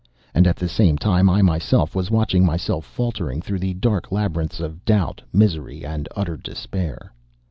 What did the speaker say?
And at the same time I myself was watching myself faltering through the dark labyrinths of doubt, misery, and utter despair.